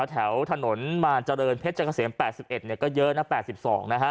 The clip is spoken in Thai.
แถวถนนมารเจริญเพชรเจ้าเกษม๘๑เนี่ยก็เยอะนะ๘๒นะฮะ